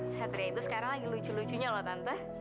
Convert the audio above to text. satria itu sekarang lagi lucu lucunya loh tante